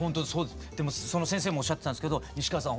でもその先生もおっしゃってたんですけど西川さん